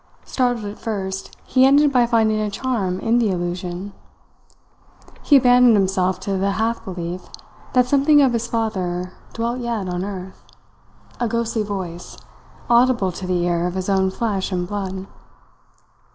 Startled at first, he ended by finding a charm in the illusion. He abandoned himself to the half belief that something of his father dwelt yet on earth a ghostly voice, audible to the ear of his own flesh and blood.